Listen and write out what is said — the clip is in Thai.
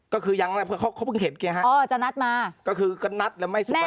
ก็คือยังแล้วเขาเขาเพิ่งเห็นไงฮะอ๋อจะนัดมาก็คือก็นัดแล้วไม่สบาย